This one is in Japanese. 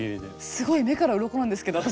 すごい目からうろこなんですけど私。